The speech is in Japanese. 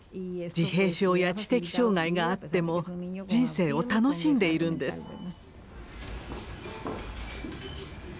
自閉症や知的障害があっても人生を楽しんでいるんです。